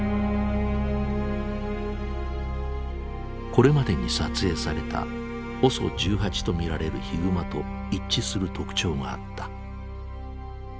これまでに撮影されたＯＳＯ１８と見られるヒグマと一致する特徴があった。